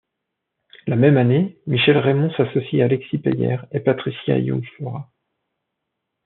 La même année, Michel Rémon s’associe à Alexis Peyer et Patricia Iung-Floirat.